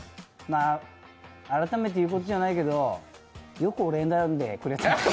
改めて言うことじゃないけど、よく俺選んでくれたよ。